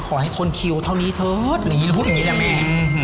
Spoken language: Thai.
ขอให้คนคิวเท่านี้เถอะหรือพูดอย่างนี้แหละแม่